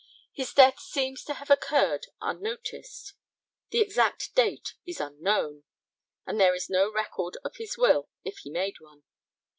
His death seems to have occurred unnoticed; the exact date is unknown, and there is no record of his will if he made one.